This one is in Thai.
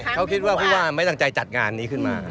เขาคิดว่าผู้ว่าไม่ตั้งใจจัดงานนี้ขึ้นมา